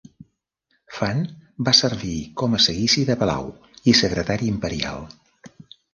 Fan va servir com a Seguici de Palau i Secretari Imperial.